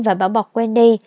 và bảo bọc wendy